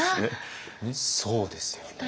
そうですね。